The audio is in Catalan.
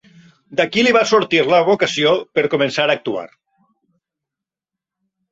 D'aquí li va sortir la vocació per començar a actuar.